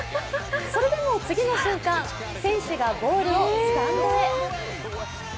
それでも次の瞬間、選手がボールをスタンドへ。